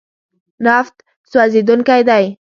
نفت سوځېدونکی دی.